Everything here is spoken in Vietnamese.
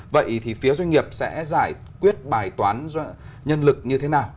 vậy thì phía doanh nghiệp sẽ giải quyết bài toán nhân lực như thế nào